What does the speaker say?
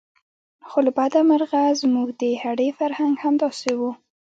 خو له بده مرغه زموږ د هډې فرهنګ همداسې و.